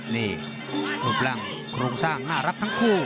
นี่รูปร่างโครงสร้างน่ารักทั้งคู่